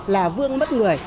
là vương mất người